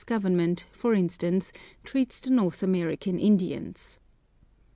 Government, for instance, treats the North American Indians.